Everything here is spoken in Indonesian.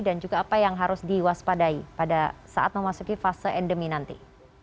dan juga apa yang harus diwaspadai pada saat memasuki fase endemi nanti